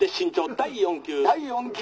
「第４球」。